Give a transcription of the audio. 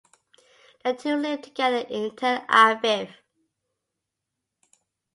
The two live together in Tel Aviv.